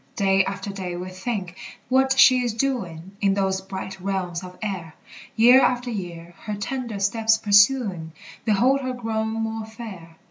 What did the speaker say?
Day after day we think what she is doing In those bright realms of air; Year after year, her tender steps pursuing, Behold her grown more fair.